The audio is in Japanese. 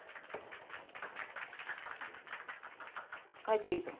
帰っていいぞ。